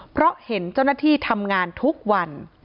เพราะเห็นเจ้าหน้าที่ทำงานทุกวัน